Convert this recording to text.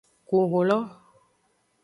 Ku hun lo.